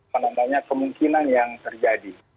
menandanya kemungkinan yang terjadi